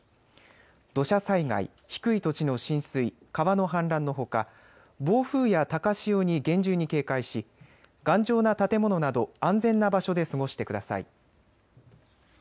土砂災害、低い土地の浸水、川の氾濫のほか、暴風や高潮に厳重に警戒し頑丈な建物など安全な場所で過ごしてください。